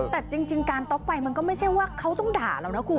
แต่จริงการต๊อกไฟมันก็ไม่ใช่ว่าเขาต้องด่าเรานะคุณ